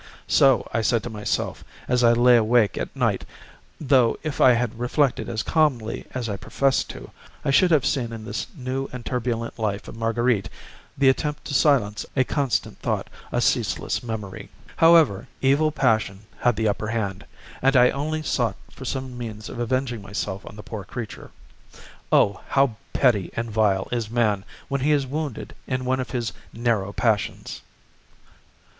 So I said to myself, as I lay awake at night though if I had reflected as calmly as I professed to I should have seen in this new and turbulent life of Marguerite the attempt to silence a constant thought, a ceaseless memory. Unfortunately, evil passion had the upper hand, and I only sought for some means of avenging myself on the poor creature. Oh, how petty and vile is man when he is wounded in one of his narrow passions!